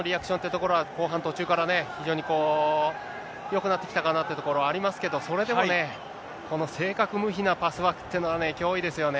ところは、後半途中からね、非常によくなってきたかなというところありますけど、それでもね、この正確無比なパスワークというのは、脅威ですよね。